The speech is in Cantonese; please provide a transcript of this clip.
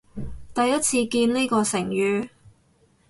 第一次見呢個成語